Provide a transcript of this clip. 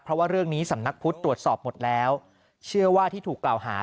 เพราะว่าเรื่องนี้สำนักพุทธตรวจสอบหมดแล้วเชื่อว่าที่ถูกกล่าวหา